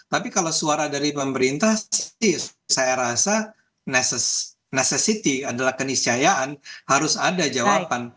tapi kalau suara dari pemerintah saya rasa necessity adalah keniscayaan harus ada jawaban